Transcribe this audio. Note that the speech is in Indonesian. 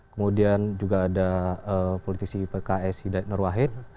kemudian juga ada politisi ipks hidayat nurwahid